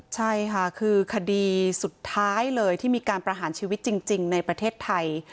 ใช่ค่ะคือคดีสุดท้ายเลยที่มีการประหารชีวิตจริงในประเทศไทย